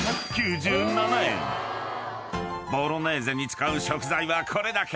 ［ボロネーゼに使う食材はこれだけ］